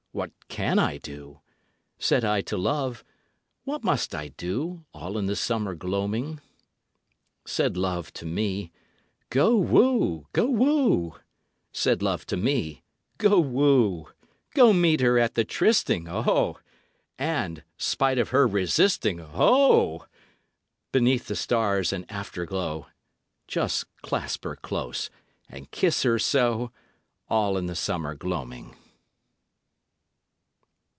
what can I do?" Said I to Love: "What must I do, All in the summer gloaming?" Said Love to me: "Go woo, go woo." Said Love to me: "Go woo. Go meet her at the trysting, O! And, 'spite of her resisting, O! Beneath the stars and afterglow, Just clasp her close and kiss her so, All in the summer gloaming."